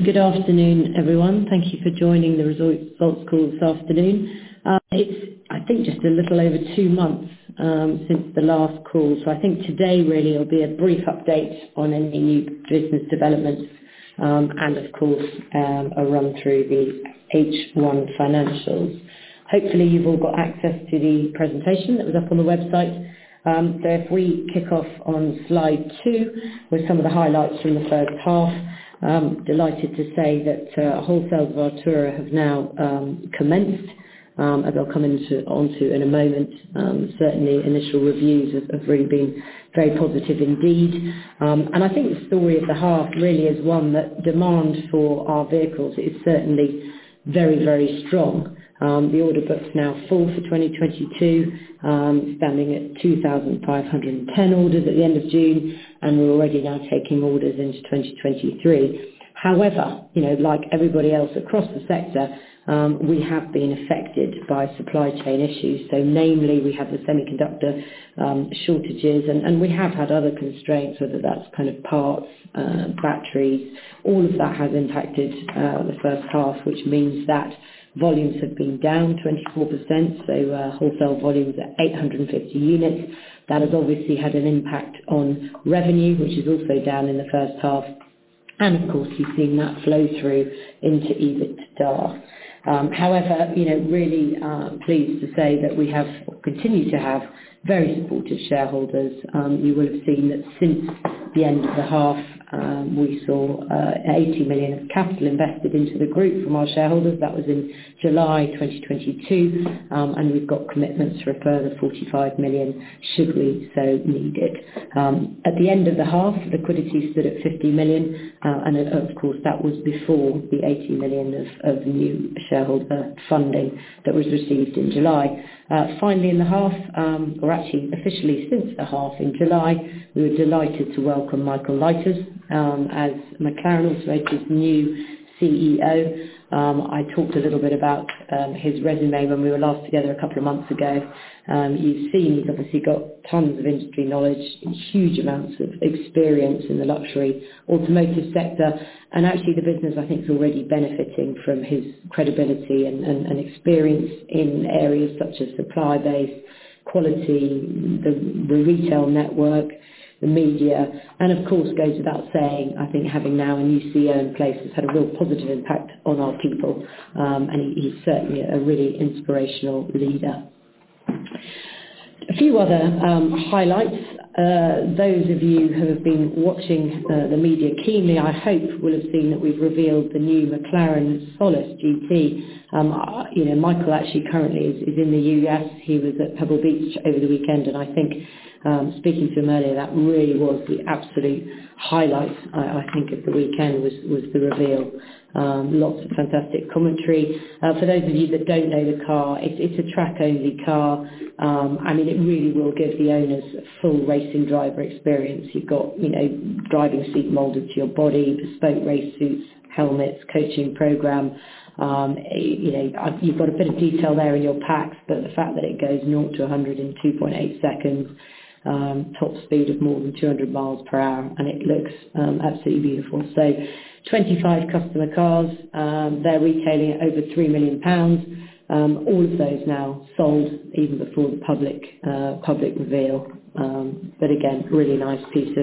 Good afternoon, everyone. Thank you for joining the results call this afternoon. It's I think just a little over 2 months since the last call. I think today really will be a brief update on any new business developments, and of course, a run through the H1 financials. Hopefully, you've all got access to the presentation that was up on the website. If we kick off on Slide 2 with some of the highlights from the H1. I'm delighted to say that wholesale of Artura have now commenced, as I'll come onto in a moment. Certainly initial reviews have really been very positive indeed. I think the story at the half really is one that demand for our vehicles is certainly very, very strong. The order book's now full for 2022, standing at 2,510 orders at the end of June, and we're already now taking orders into 2023. However, you know, like everybody else across the sector, we have been affected by supply chain issues. So namely, we have the semiconductor shortages and we have had other constraints, whether that's kind of parts, batteries. All of that has impacted the H1, which means that volumes have been down 24%. So, wholesale volumes at 850 units. That has obviously had an impact on revenue, which is also down in the H1. Of course, you've seen that flow through into EBITDA. However, you know, really pleased to say that we have continue to have very supportive shareholders. You would have seen that since the end of the half, we saw 80 million of capital invested into the group from our shareholders. That was in July 2022. We've got commitments for a further 45 million, should we so need it. At the end of the half, liquidity stood at 50 million. Of course, that was before the 80 million of new shareholder funding that was received in July. Finally in the half, or actually officially since the half in July, we were delighted to welcome Michael Leiters as McLaren Automotive's new CEO. I talked a little bit about his resume when we were last together a couple of months ago. You've seen he's obviously got tons of industry knowledge, huge amounts of experience in the luxury automotive sector. Actually the business, I think, is already benefiting from his credibility and experience in areas such as supply base, quality, the retail network, the media. Of course, goes without saying, I think having now a new CEO in place has had a real positive impact on our people. He's certainly a really inspirational leader. A few other highlights. Those of you who have been watching the media keenly, I hope will have seen that we've revealed the new McLaren Solus GT. You know, Michael actually currently is in the U.S. He was at Pebble Beach over the weekend. I think speaking to him earlier, that really was the absolute highlight, I think of the weekend was the reveal. Lots of fantastic commentary. For those of you that don't know the car, it's a track-only car. I mean, it really will give the owners a full racing driver experience. You've got, you know, driving seat molded to your body, bespoke race suits, helmets, coaching program. You know, you've got a bit of detail there in your packs, but the fact that it goes 0 to 100 in 2.8 seconds, top speed of more than 200 miles per hour, and it looks absolutely beautiful. 25 customer cars, they're retailing at over 3 million pounds. All of those now sold even before the public reveal. But again, really nice piece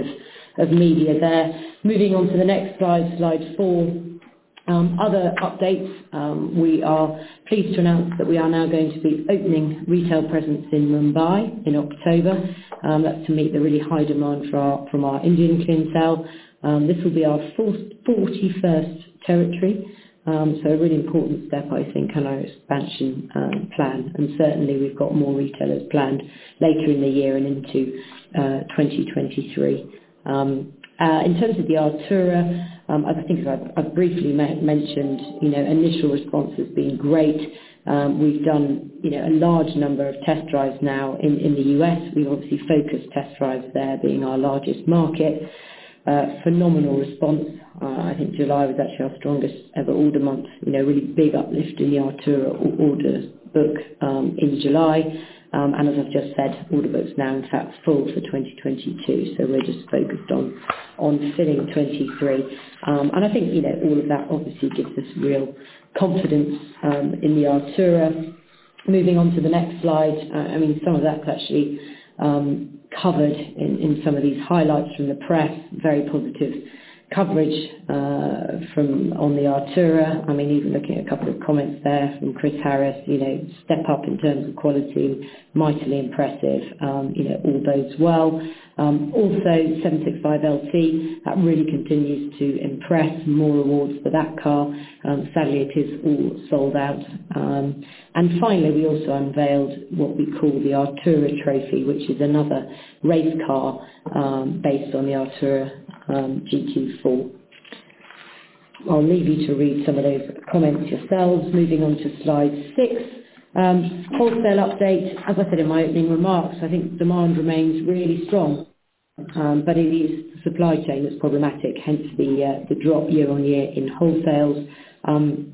of media there. Moving on to the next slide, Slide 4. Other updates. We are pleased to announce that we are now going to be opening retail presence in Mumbai in October, that's to meet the really high demand from our Indian clientele. This will be our forty-first territory. A really important step, I think, in our expansion plan. Certainly, we've got more retailers planned later in the year and into 2023. In terms of the Artura, I think I've briefly mentioned, you know, initial response has been great. We've done, you know, a large number of test drives now in the US. We've obviously focused test drives there being our largest market. A phenomenal response. I think July was actually our strongest ever order month. You know, really big uplift in the Artura order book in July. As I've just said, order book is now in fact full for 2022, so we're just focused on filling 2023. I think, you know, all of that obviously gives us real confidence in the Artura. Moving on to the next slide. I mean, some of that's actually covered in some of these highlights from the press. Very positive coverage on the Artura. I mean, even looking at a couple of comments there from Chris Harris, you know, step up in terms of quality, mightily impressive, you know, all bodes well. Also 765LT, that really continues to impress. More awards for that car. Sadly, it is all sold out. Finally, we also unveiled what we call the Artura Trophy, which is another race car, based on the Artura, GT4. I'll leave you to read some of those comments yourselves. Moving on to Slide 6. Wholesale update. As I said in my opening remarks, I think demand remains really strong, but it is supply chain that's problematic, hence the drop year-on-year in wholesales.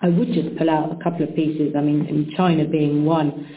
I would just pull out a couple of pieces. I mean, China being one,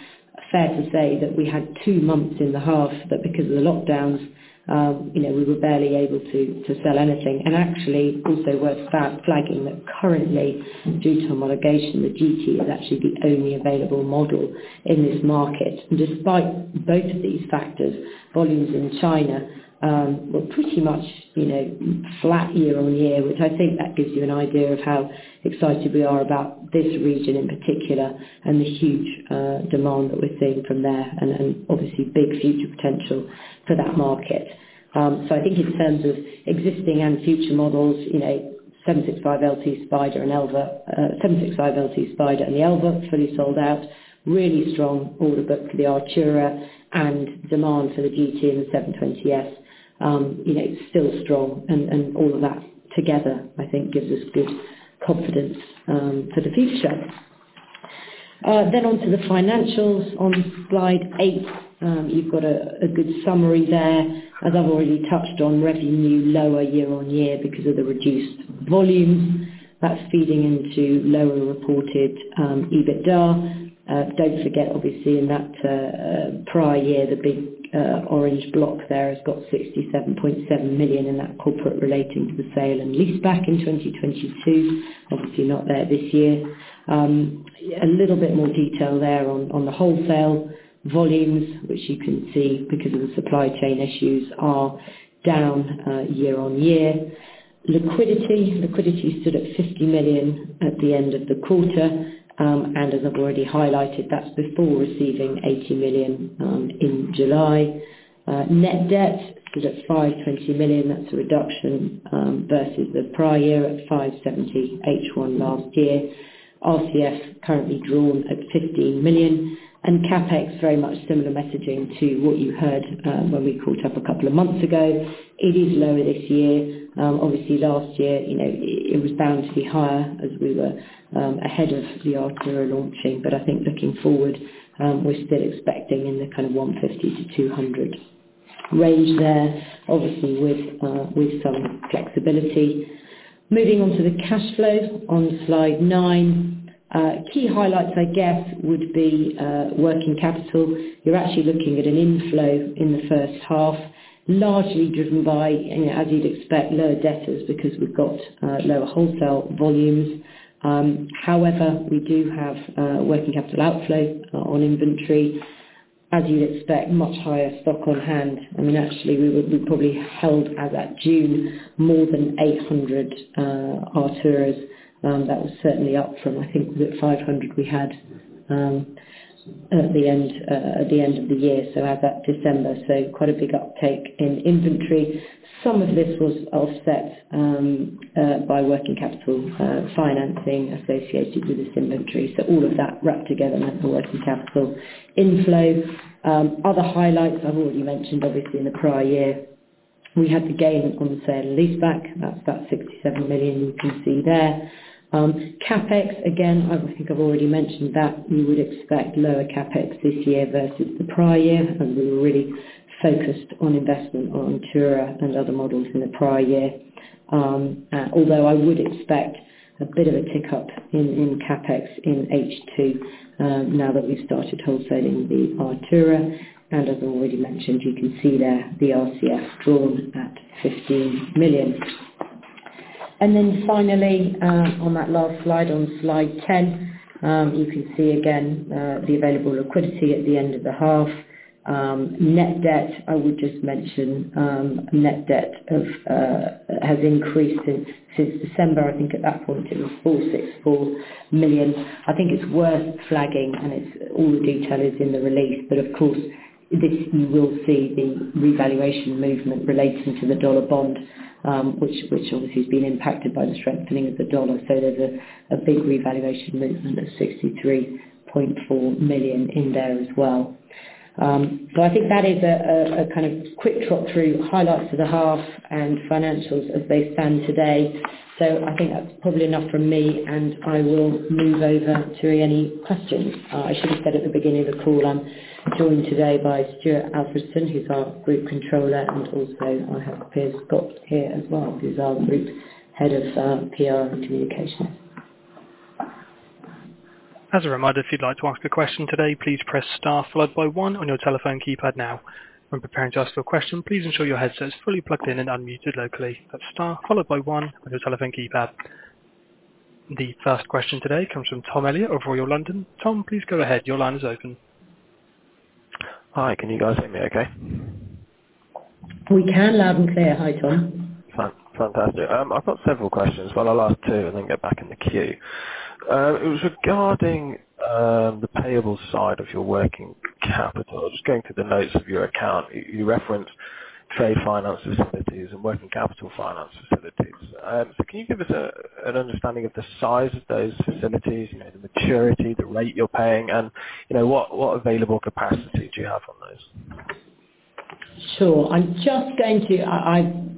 fair to say that we had two months in the half that, because of the lockdowns, you know, we were barely able to sell anything. Actually, also worth flagging that currently due to homologation, the GT is actually the only available model in this market. Despite both of these factors, volumes in China were pretty much, you know, flat year-on-year, which I think that gives you an idea of how excited we are about this region in particular and the huge demand that we're seeing from there and obviously big future potential for that market. I think in terms of existing and future models, you know, 765LT Spider and the Elva fully sold out, really strong order book for the Artura and demand for the GT and the 720S still strong and all of that together, I think gives us good confidence for the future. On to the financials on Slide 8. You've got a good summary there. As I've already touched on, revenue lower year on year because of the reduced volumes. That's feeding into lower reported EBITDA. Don't forget, obviously, in that prior year, the big orange block there has got 67.7 million in that corporate relating to the sale and leaseback in 2022, obviously not there this year. A little bit more detail there on the wholesale volumes, which you can see because of the supply chain issues are down year on year. Liquidity stood at 50 million at the end of the quarter. And as I've already highlighted, that's before receiving 80 million in July. Net debt stood at 520 million. That's a reduction versus the prior year at 570 H1 last year. RCF currently drawn at 15 million and CapEx, very much similar messaging to what you heard when we caught up a couple of months ago. It is lower this year. Obviously last year, you know, it was bound to be higher as we were ahead of the Artura launching. I think looking forward, we're still expecting in the kind of 150 million-200 million range there, obviously with some flexibility. Moving on to the cash flow on Slide 9. Key highlights, I guess, would be working capital. You're actually looking at an inflow in the H1, largely driven by, you know, as you'd expect, lower debtors because we've got lower wholesale volumes. However, we do have working capital outflow on inventory, as you'd expect, much higher stock on hand. I mean, actually we probably held as at June more than 800 Arturas. That was certainly up from, I think we had 500 at the end of the year, as at December. Quite a big uptake in inventory. Some of this was offset by working capital financing associated with this inventory. All of that wrapped together meant the working capital inflow. Other highlights I've already mentioned, obviously in the prior year, we had the gain on the sale and leaseback. That's that 67 million you can see there. CapEx, again, I think I've already mentioned that we would expect lower CapEx this year versus the prior year, and we were really focused on investment on Artura and other models in the prior year. Although I would expect a bit of a tick up in CapEx in H2, now that we've started wholesaling the Artura, and as I've already mentioned, you can see there the RCF drawn at 15 million. Then finally, on that last slide, on Slide 10, you can see again the available liquidity at the end of the half. Net debt, I would just mention, has increased since December. I think at that point it was 464 million. I think it's worth flagging, and it's all the detail is in the release, but of course this you will see the revaluation movement relating to the dollar bond, which obviously has been impacted by the strengthening of the US dollar. There's a big revaluation movement of 63.4 million in there as well. I think that is a kind of quick trot through highlights for the half and financials as they stand today. I think that's probably enough from me, and I will move over to any questions. I should have said at the beginning of the call, I'm joined today by Stuart Alfredson, who's our Group Controller, and also I have Piers Scott here as well, who's our Group Head of PR and Communication. As a reminder, if you'd like to ask a question today, please press star followed by one on your telephone keypad now. When preparing to ask your question, please ensure your headset is fully plugged in and unmuted locally. Press star followed by one on your telephone keypad. The first question today comes from Tom Elliott of Royal London. Tom, please go ahead. Your line is open. Hi, can you guys hear me okay? We can, loud and clear. Hi, Tom. Fantastic. I've got several questions. Well, I'll ask two and then get back in the queue. It was regarding the payable side of your working capital. Just going through the notes of your account, you referenced trade finance facilities and working capital finance facilities. So can you give us an understanding of the size of those facilities, you know, the maturity, the rate you're paying, and, you know, what available capacity do you have on those? Sure. I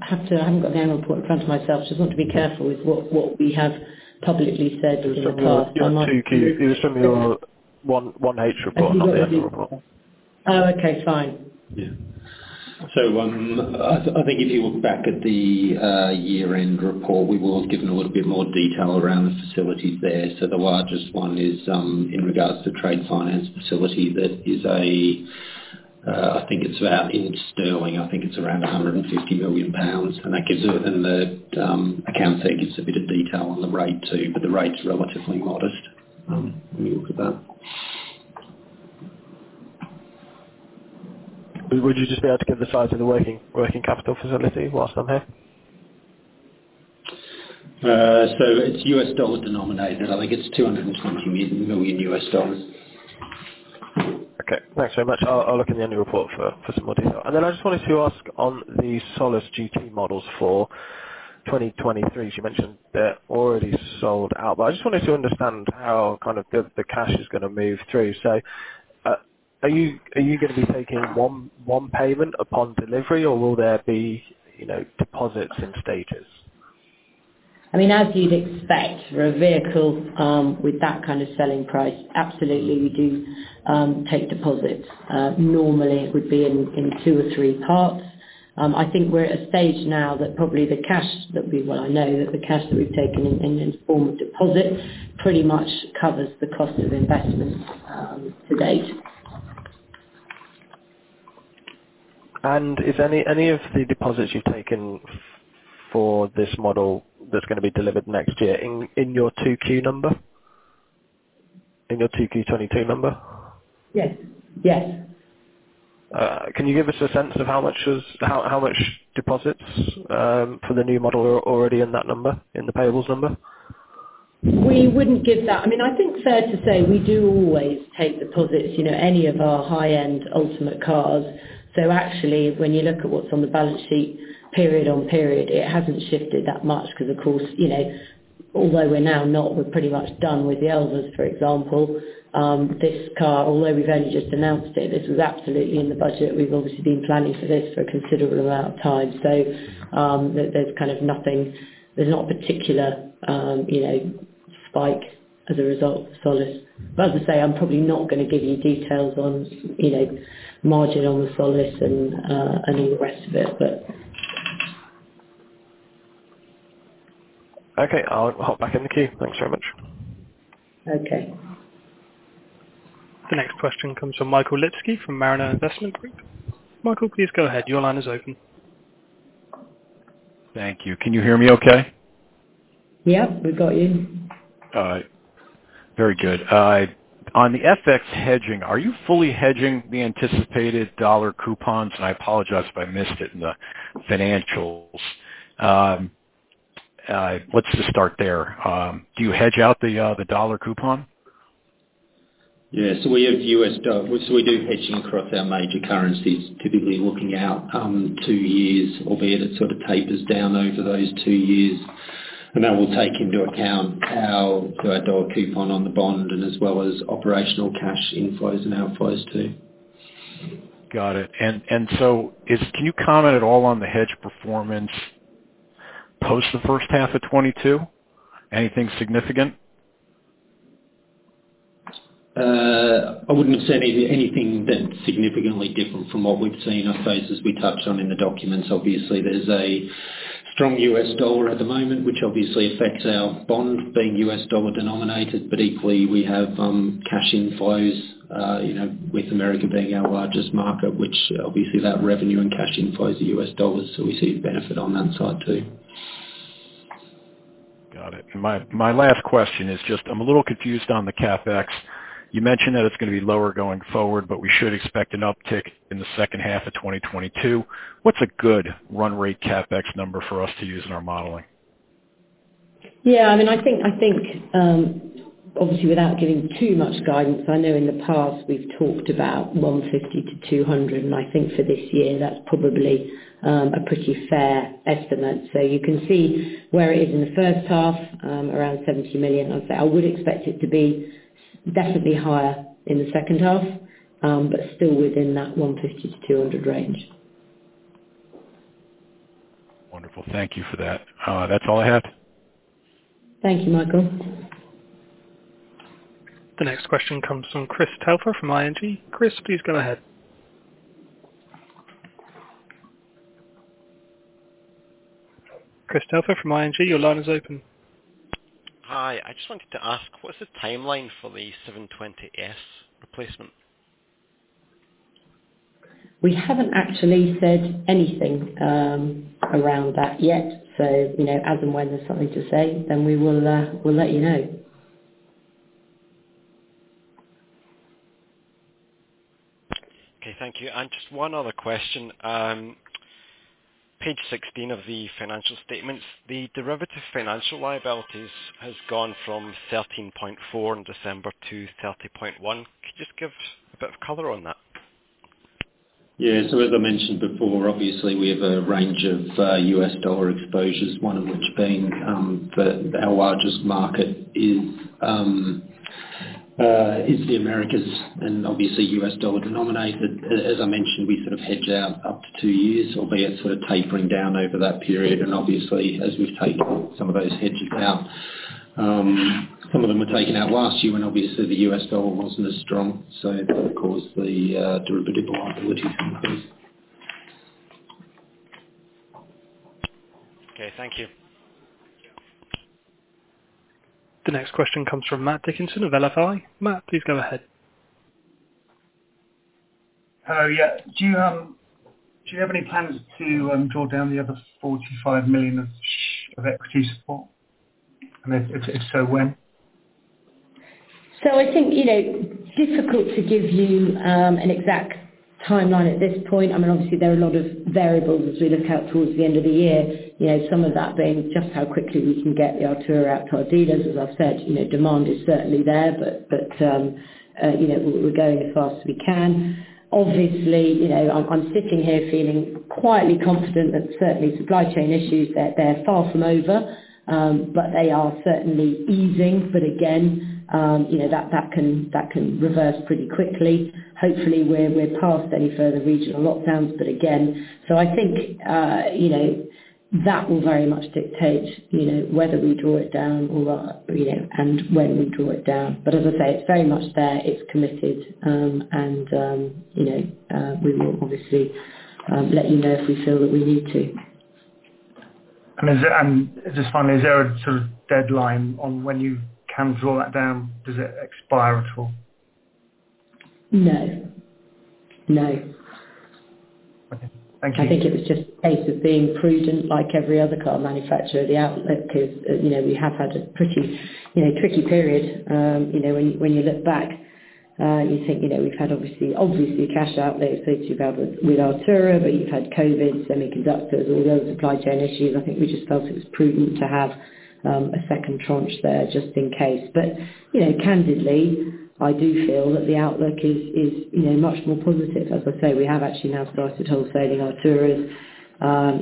haven't got the annual report in front of myself. Just want to be careful with what we have publicly said in the past. It was from your 1H report, not the annual report. Oh, okay. Fine. Yeah. I think if you look back at the year-end report, we were given a little bit more detail around the facilities there. The largest one is in regards to trade finance facility, that is a I think it's about in sterling. I think it's around 150 million pounds, and that gives it. The account feed gives a bit of detail on the rate too, but the rate's relatively modest when you look at that. Would you just be able to give the size of the working capital facility whilst I'm here? It's U.S. dollar denominated, and I think it's $220 million. Okay. Thanks very much. I'll look in the annual report for some more detail. I just wanted to ask on the Solus GT models for 2023, as you mentioned, they're already sold out, but I just wanted to understand how kind of the cash is gonna move through. Are you gonna be taking one payment upon delivery or will there be, you know, deposits in stages? I mean, as you'd expect for a vehicle with that kind of selling price, absolutely we do take deposits. Normally it would be in two or three parts. I think we're at a stage now that probably the cash that we've taken in in form of deposit pretty much covers the cost of investment to date. Is any of the deposits you've taken for this model that's gonna be delivered next year in your 2Q number? In your 2Q 2022 number? Yes. Yes. How much deposits for the new model are already in that number, in the payables number? We wouldn't give that. I mean, I think fair to say, we do always take deposits, you know, any of our high-end ultimate cars. Actually when you look at what's on the balance sheet period on period, it hasn't shifted that much because of course, you know, although we're now not, we're pretty much done with the Elva, for example, this car, although we've only just announced it, this was absolutely in the budget. We've obviously been planning for this for a considerable amount of time. There's kind of nothing. There's not a particular, you know, spike as a result of Solus. As I say, I'm probably not gonna give you details on, you know, margin on the Solus and all the rest of it. Okay. I'll hop back in the queue. Thanks very much. Okay. The next question comes from Michael Lipsky from Mariner Investment Group. Michael, please go ahead. Your line is open. Thank you. Can you hear me okay? Yeah, we've got you. All right. Very good. On the FX hedging, are you fully hedging the anticipated dollar coupons? I apologize if I missed it in the financials. Let's just start there. Do you hedge out the dollar coupon? Yeah. We have U.S. dollar. We do hedging across our major currencies, typically looking out two years, albeit it sort of tapers down over those two years. That will take into account our dollar coupon on the bond as well as operational cash inflows and outflows too. Got it. Can you comment at all on the hedge performance post the H1 of 2022? Anything significant? I wouldn't have said anything been significantly different from what we've seen. I'd say as we touched on in the documents, obviously there's a strong US dollar at the moment, which obviously affects our bond being US dollar denominated. Equally we have cash inflows, you know, with America being our largest market, which obviously that revenue and cash inflows are US dollars, so we see the benefit on that side too. Got it. My last question is just I'm a little confused on the CapEx. You mentioned that it's gonna be lower going forward, but we should expect an uptick in the H2 of 2022. What's a good run rate CapEx number for us to use in our modeling? Yeah, I mean, I think obviously without giving too much guidance, I know in the past we've talked about 150 million-200 million, and I think for this year that's probably a pretty fair estimate. You can see where it is in the H1, around 70 million. I'd say I would expect it to be definitely higher in the H2, but still within that 150 million-200 million range. Wonderful. Thank you for that. That's all I have. Thank you, Michael. The next question comes from Chris Telfer from ING. Chris, please go ahead. Chris Telfer from ING, your line is open. Hi. I just wanted to ask, what's the timeline for the 720S replacement? We haven't actually said anything around that yet. You know, as and when there's something to say, then we'll let you know. Okay. Thank you. Just one other question. Page 16 of the financial statements, the derivative financial liabilities has gone from 13.4 in December to 30.1. Could you just give a bit of color on that? Yeah. As I mentioned before, obviously we have a range of US dollar exposures. One of which being, our largest market is the Americas and obviously US dollar denominated. As I mentioned, we sort of hedge out up to two years, albeit sort of tapering down over that period. Obviously as we've taken some of those hedges now, some of them were taken out last year when obviously the US dollar wasn't as strong, so that would cause the derivative liability to increase. Okay, thank you. The next question comes from Matt Dickinson of LFI. Matt, please go ahead. Hello. Yeah. Do you have any plans to draw down the other 45 million of equity support? If so, when? I think, you know, difficult to give you an exact timeline at this point. I mean, obviously, there are a lot of variables as we look out towards the end of the year. You know, some of that being just how quickly we can get the Artura out to our dealers. As I've said, you know, demand is certainly there. But you know, we're going as fast as we can. Obviously, you know, I'm sitting here feeling quietly confident that certainly supply chain issues, they're far from over, but they are certainly easing. But again, you know, that can reverse pretty quickly. Hopefully we're past any further regional lockdowns, but again. I think, you know, that will very much dictate, you know, whether we draw it down or, you know, and when we draw it down. As I say, it's very much there, it's committed. You know, we will obviously let you know if we feel that we need to. Just finally, is there a sort of deadline on when you can draw that down? Does it expire at all? No. No. Okay. Thank you. I think it was just a case of being prudent like every other car manufacturer. The outlook is, you know, we have had a pretty, you know, tricky period. You know, when you look back, you think, you know, we've had obviously cash outlays as you've had with Artura, but you've had COVID, semiconductors, all the other supply chain issues. I think we just felt it was prudent to have a second tranche there just in case. You know, candidly, I do feel that the outlook is, you know, much more positive. As I say, we have actually now started wholesaling Arturas.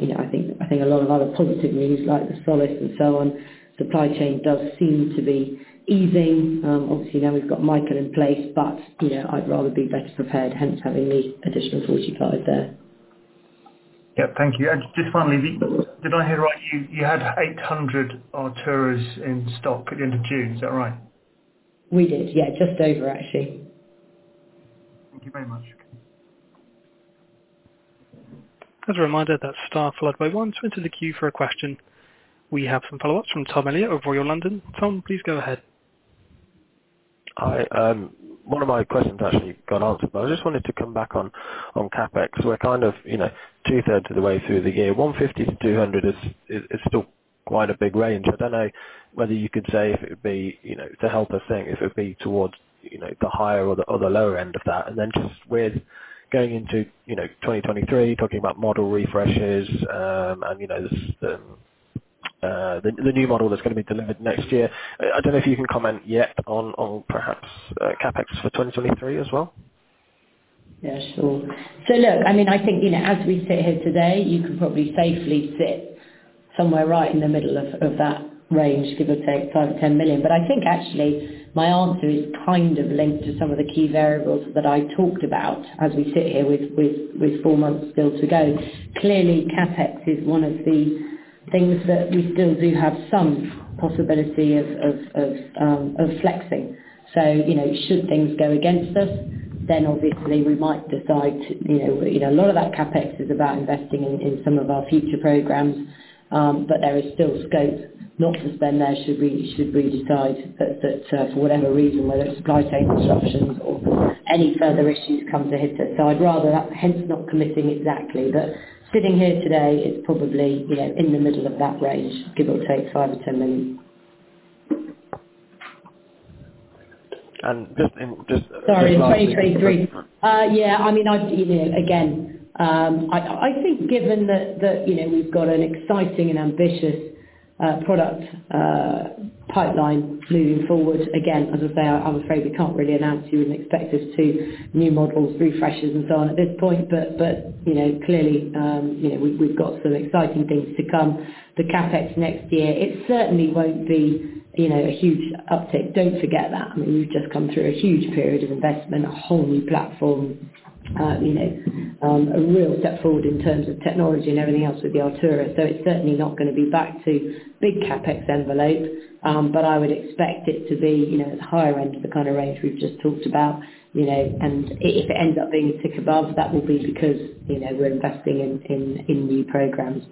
You know, I think a lot of other positive news like the Solus and so on, supply chain does seem to be easing. Obviously now we've got Michael in place, but, you know, I'd rather be better prepared, hence having the additional 45 there. Yeah. Thank you. Just finally, did I hear right, you had 800 Arturas in stock at the end of June? Is that right? We did, yeah. Just over, actually. Thank you very much. As a reminder, that star followed by one to enter the queue for a question. We have some follow-ups from Tom Elliott of Royal London. Tom, please go ahead. Hi. One of my questions actually got answered, but I just wanted to come back on CapEx. We're kind of, you know, two-thirds of the way through the year. 150-200 is still quite a big range. I don't know whether you could say if it would be, you know, to help us think if it would be towards, you know, the higher or the lower end of that. Then just with going into, you know, 2023, talking about model refreshes, and you know, the new model that's gonna be delivered next year. I don't know if you can comment yet on, perhaps, CapEx for 2023 as well. Yeah, sure. Look, I mean, I think, you know, as we sit here today, you could probably safely sit somewhere right in the middle of that range, give or take 5 million-10 million. I think actually my answer is kind of linked to some of the key variables that I talked about as we sit here with four months still to go. Clearly, CapEx is one of the things that we still do have some possibility of flexing. You know, should things go against us, then obviously we might decide to, you know, a lot of that CapEx is about investing in some of our future programs. There is still scope not to spend there, should we decide that for whatever reason, whether it's supply chain disruptions or any further issues come to hit it. I'd rather hence not committing exactly, but sitting here today, it's probably, you know, in the middle of that range, give or take 5 million-10 million. Just in. Sorry, 2023. I mean, I think given that, you know, we've got an exciting and ambitious product pipeline moving forward. Again, as I say, I'm afraid we can't really announce. You wouldn't expect us to new models, refreshes and so on at this point. You know, clearly, we've got some exciting things to come. The CapEx next year, it certainly won't be, you know, a huge uptick. Don't forget that. I mean, we've just come through a huge period of investment, a whole new platform, a real step forward in terms of technology and everything else with the Artura. So it's certainly not gonna be back to big CapEx envelope. I would expect it to be, you know, at the higher end of the kind of range we've just talked about, you know. If it ends up being a tick above, that will be because, you know, we're investing in new programs.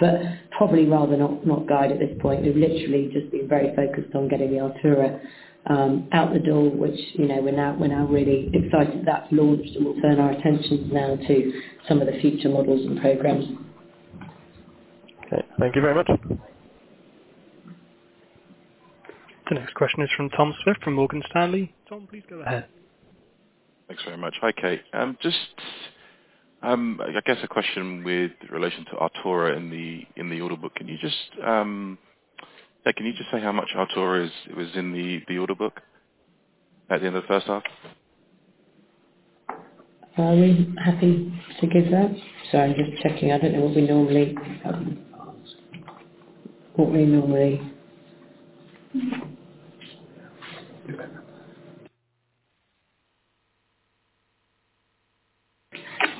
Probably rather not guide at this point. We've literally just been very focused on getting the Artura out the door, which, you know, we're now really excited that's launched and we'll turn our attention now to some of the future models and programs. Okay. Thank you very much. The next question is from Tom Swift from Morgan Stanley. Tom, please go ahead. Thanks very much. Hi, Kate. Just, I guess a question with relation to Artura in the order book. Can you just say how much Artura was in the order book at the end of the H1? Are we happy to give that? Sorry, just checking. I don't know what we normally.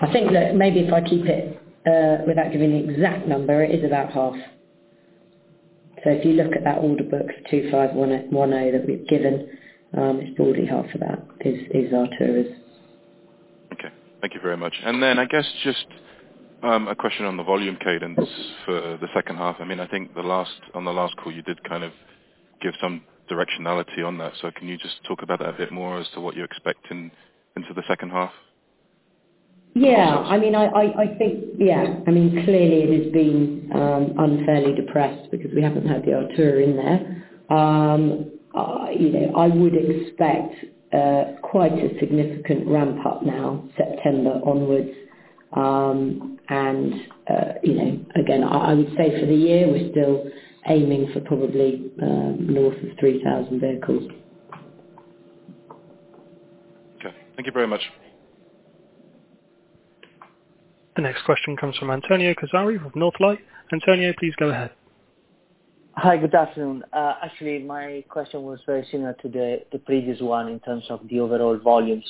I think that maybe if I keep it, without giving the exact number, it is about half. If you look at that order book of 251A that we've given, it's broadly half of that is Artura. Okay. Thank you very much. I guess just a question on the volume cadence for the H2. I mean, I think on the last call, you did kind of give some directionality on that. Can you just talk about that a bit more as to what you expect into the H2? Yeah. I mean, I think, yeah. I mean, clearly it has been unfairly depressed because we haven't had the Artura in there. You know, I would expect quite a significant ramp up now, September onwards. You know, again, I would say for the year, we're still aiming for probably north of 3,000 vehicles. Okay. Thank you very much. The next question comes from Antonio Cazzari with Northlight Group. Antonio, please go ahead. Hi. Good afternoon. Actually, my question was very similar to the previous one in terms of the overall volume.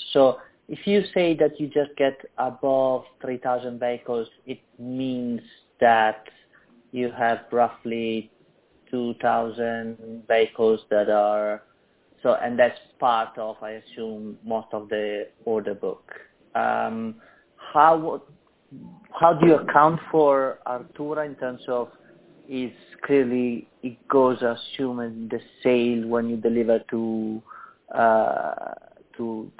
If you say that you just get above 3,000 vehicles, it means that you have roughly 2,000 vehicles. That's part of, I assume, most of the order book. How do you account for Artura in terms of it's clearly it goes assuming the same when you deliver to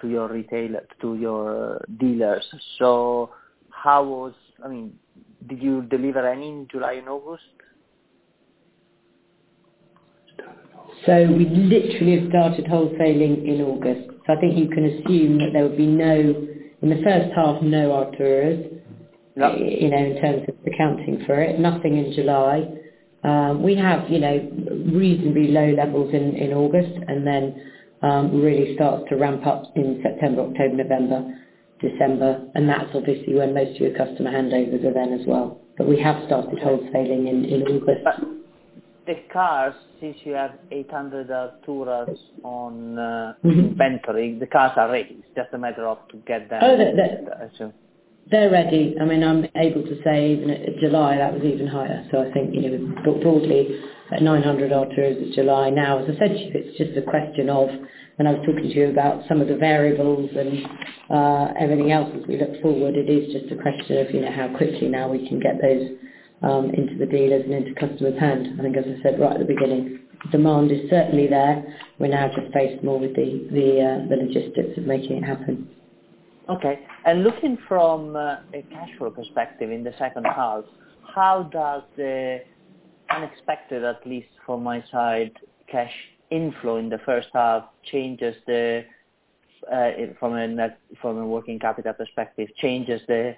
your retailer, to your dealers. I mean, did you deliver any in July and August? We literally have started wholesaling in August. I think you can assume that there would be no Arturas in the H1. No. You know, in terms of accounting for it. Nothing in July. We have, you know, reasonably low levels in August, and then really start to ramp up in September, October, November, December, and that's obviously when most of your customer handovers are then as well. We have started wholesaling in August. the cars, since you have 800 Arturas on Mm-hmm. In inventory, the cars are ready. It's just a matter of to get them. Oh, they're- I assume. They're ready. I mean, I'm able to say in July that was even higher. I think, you know, broadly at 900 Arturas in July. Now, as I said, it's just a question of when I was talking to you about some of the variables and everything else as we look forward. It is just a question of, you know, how quickly now we can get those into the dealers and into customers' hands. I think, as I said right at the beginning, demand is certainly there. We're now just faced more with the logistics of making it happen. Okay. Looking from a cash flow perspective in the H2, how does the unexpected, at least from my side, cash inflow in the H1 change from a working capital perspective the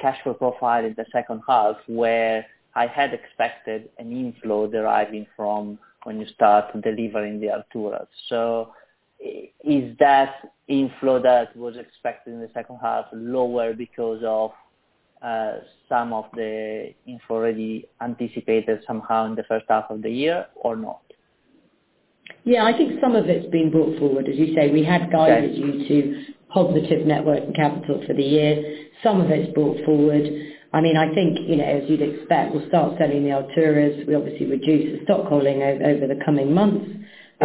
cash flow profile in the H2, where I had expected an inflow deriving from when you start delivering the Artura? Is that inflow that was expected in the H2 lower because of some of the inflow already anticipated somehow in the H1 of the year or not? Yeah, I think some of it's been brought forward. As you say, we had- Okay. Guided you to positive net working capital for the year. Some of it's brought forward. I mean, I think, you know, as you'd expect, we'll start selling the Arturas. We obviously reduce the stock holding over the coming months.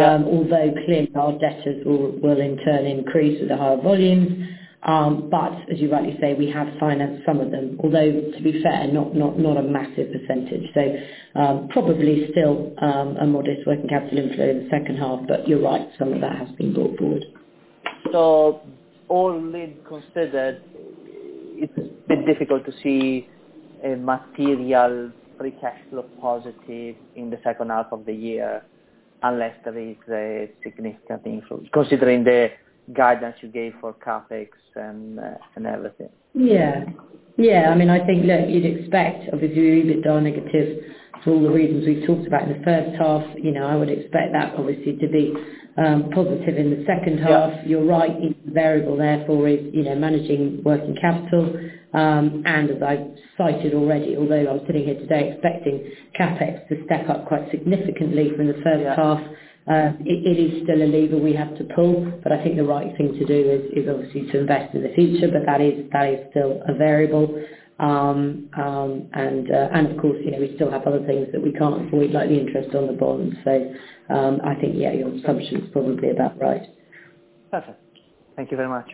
Although clearly our debtors will in turn increase with the higher volumes. But as you rightly say, we have financed some of them, although to be fair, not a massive percentage. Probably still a modest working capital inflow in the H2. You're right, some of that has been brought forward. All things considered, it's a bit difficult to see a materially free cash flow positive in the H2 of the year unless there is a significant inflow, considering the guidance you gave for CapEx and everything. Yeah. I mean, I think, look, you'd expect obviously we've been negative for all the reasons we've talked about in the H1. You know, I would expect that obviously to be positive in the H2. Yeah. You're right. Variable therefore is, you know, managing working capital. As I've cited already, although I'm sitting here today expecting CapEx to step up quite significantly from the first- Yeah. It is still a lever we have to pull, but I think the right thing to do is obviously to invest in the future. That is still a variable. Of course, you know, we still have other things that we can't avoid, like the interest on the bonds. I think, yeah, your assumption is probably about right. Perfect. Thank you very much.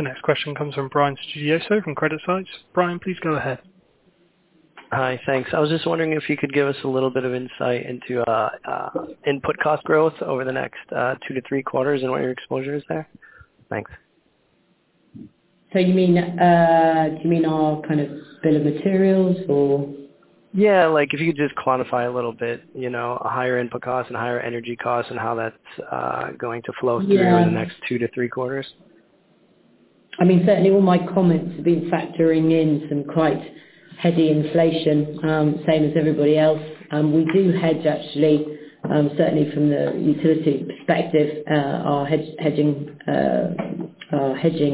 The next question comes from Brian Stugliano from Credit Suisse. Brian, please go ahead. Hi. Thanks. I was just wondering if you could give us a little bit of insight into input cost growth over the next 2-3 quarters and what your exposure is there. Thanks. Do you mean all kind of bill of materials or? Yeah. Like if you could just quantify a little bit, you know, a higher input cost and higher energy cost and how that's going to flow through? Yeah. in the next 2-3 quarters. I mean, certainly all my comments have been factoring in some quite heady inflation, same as everybody else. We do hedge, actually. Certainly from the utility perspective, our hedging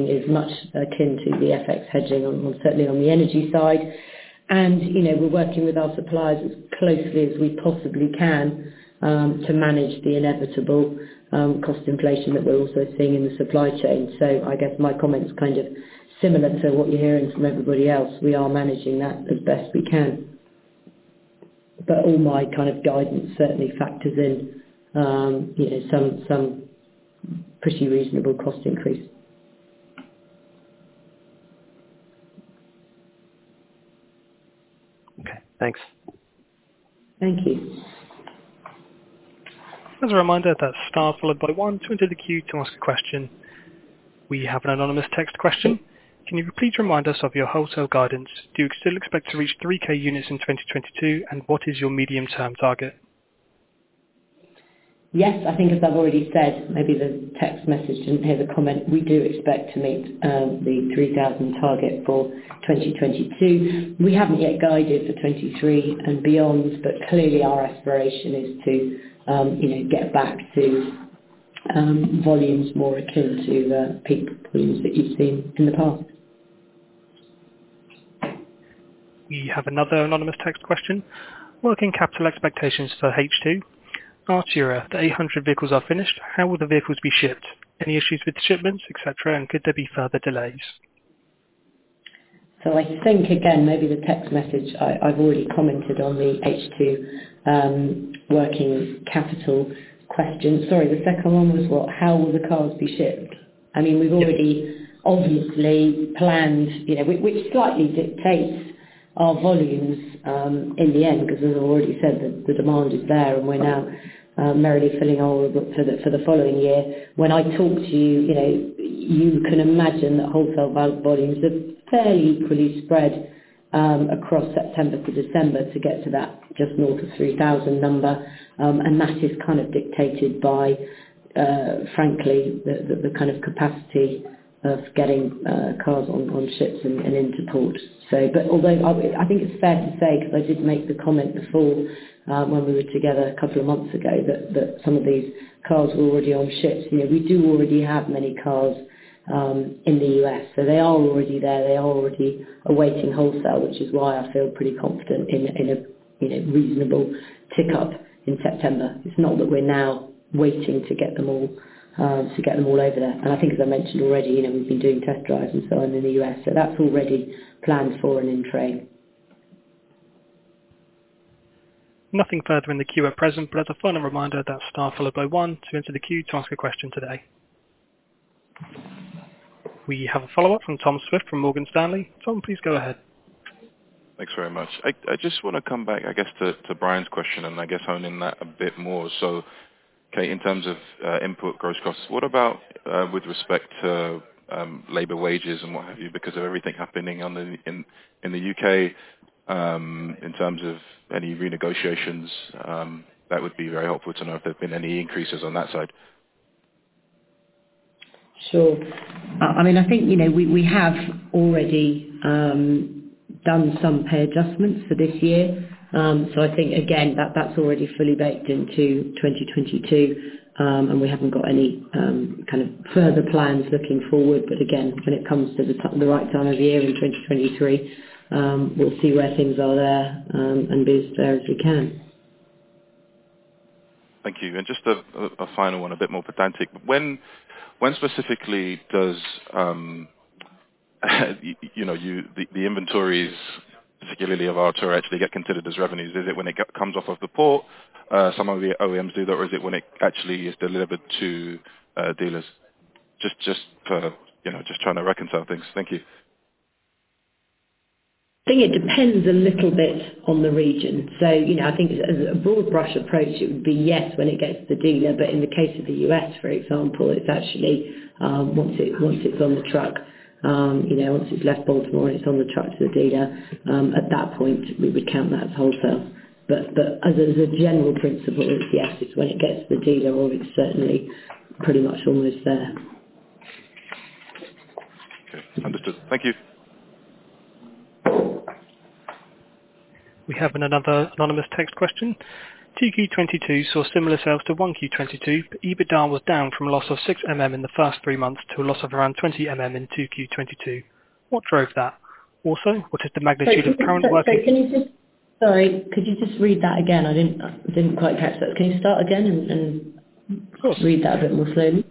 is much akin to the FX hedging on the energy side. You know, we're working with our suppliers as closely as we possibly can, to manage the inevitable cost inflation that we're also seeing in the supply chain. I guess my comment is kind of similar to what you're hearing from everybody else. We are managing that as best we can. All my kind of guidance certainly factors in, you know, some pretty reasonable cost increase. Okay, thanks. Thank you. As a reminder, that's star followed by one to enter the queue to ask a question. We have an anonymous text question. Can you please remind us of your wholesale guidance? Do you still expect to reach 3K units in 2022, and what is your medium-term target? Yes, I think as I've already said, maybe the text message didn't hear the comment. We do expect to meet the 3,000 target for 2022. We haven't yet guided for 2023 and beyond, but clearly our aspiration is to, you know, get back to volumes more akin to the peak points that you've seen in the past. We have another anonymous text question. Working capital expectations for H2. After your 800 vehicles are finished, how will the vehicles be shipped? Any issues with shipments, et cetera, and could there be further delays? I think, again, maybe the text message, I've already commented on the H2 working capital question. Sorry, the second one was what? How will the cars be shipped? I mean, we've already obviously planned, you know, which slightly dictates our volumes in the end, because as I've already said, the demand is there and we're now merely filling our order book for the following year. When I talk to you know, you can imagine that wholesale volumes are fairly equally spread across September to December to get to that just north of 3,000 number. And that is kind of dictated by, frankly, the kind of capacity of getting cars on ships and into port. Although I think it's fair to say, 'cause I did make the comment before, when we were together a couple of months ago, that some of these cars were already on ships. You know, we do already have many cars in the U.S., so they are already there. They are already awaiting wholesale, which is why I feel pretty confident in a reasonable tick up in September. It's not that we're now waiting to get them all over there. I think as I mentioned already, you know, we've been doing test drives and so on in the U.S., so that's already planned for and in train. Nothing further in the queue at present, but as a final reminder, that's star followed by one to enter the queue to ask a question today. We have a follow-up from Tom Swift from Morgan Stanley. Tom, please go ahead. Thanks very much. I just wanna come back, I guess, to Brian's question and I guess hone in that a bit more. Kate, in terms of input gross costs, what about with respect to labor wages and what have you, because of everything happening in the UK, in terms of any renegotiations, that would be very helpful to know if there've been any increases on that side. Sure. I mean, I think, you know, we have already done some pay adjustments for this year. I think again, that's already fully baked into 2022, and we haven't got any kind of further plans looking forward. Again, when it comes to the right time of year in 2023, we'll see where things are there, and boost there as we can. Thank you. Just a final one, a bit more pedantic. When specifically does, you know, the inventories, particularly of Artura, actually get considered as revenues? Is it when it comes off of the port? Some of the OEMs do that. Or is it when it actually is delivered to dealers? Just for, you know, trying to reconcile things. Thank you. I think it depends a little bit on the region. You know, I think as a broad brush approach, it would be, yes, when it gets to the dealer. In the case of the U.S., for example, it's actually once it's on the truck, you know, once it's left Baltimore and it's on the truck to the dealer, at that point we would count that as wholesale. As a general principle, it's yes, it's when it gets to the dealer or it's certainly pretty much almost there. Okay. Understood. Thank you. We have another anonymous text question. 2Q 2022 saw similar sales to 1Q 2022, but EBITDA was down from a loss of 6 million in the first three months to a loss of around 20 million in 2Q 2022. What drove that? Also, what is the magnitude of current working- Sorry, could you just read that again? I didn't quite catch that. Can you start again? Of course. Read that a bit more slowly?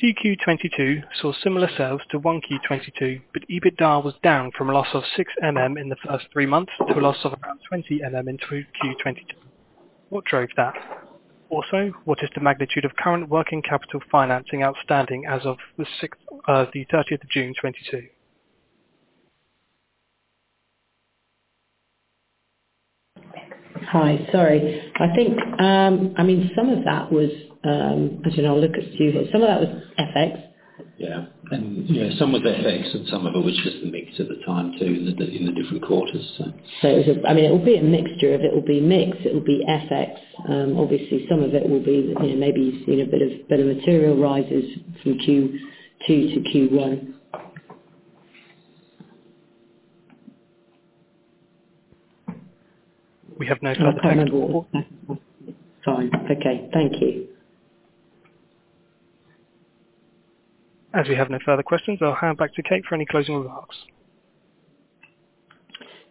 2Q 2022 saw similar sales to 1Q 2022, but EBITDA was down from a loss of 6 million in the first three months to a loss of around 20 million in 2Q 2022. What drove that? Also, what is the magnitude of current working capital financing outstanding as of the 30th of June 2022? Hi. Sorry. I think, I mean, some of that was, as in our look at 2Q, some of that was FX. Yeah. You know, some of FX and some of it was just the mix at the time, too, in the different quarters, so. It will be a mixture of mix, FX. Obviously, some of it will be, you know, maybe you've seen a bit of material rises from Q2 to Q1. We have no further- I can't remember all of that. Fine. Okay. Thank you. As we have no further questions, I'll hand back to Kate for any closing remarks.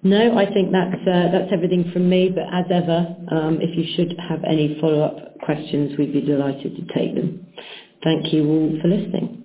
No, I think that's everything from me, but as ever, if you should have any follow-up questions, we'd be delighted to take them. Thank you all for listening.